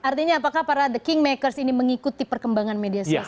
artinya apakah para the kingmakers ini mengikuti perkembangan media sosial